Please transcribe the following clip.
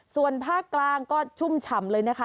ส่วนภาคกลางก็ชุ่มฉ่ำเลยนะคะ